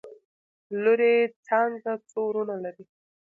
لورې څانګه څو وروڼه لري؟؟